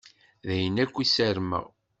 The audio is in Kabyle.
D ayen akk i ssarmeɣ.